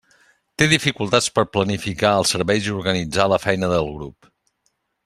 Té dificultats per planificar els serveis i organitzar la feina del grup.